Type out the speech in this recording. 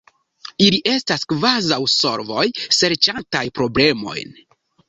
Ili estas kvazaŭ solvoj serĉantaj problemojn.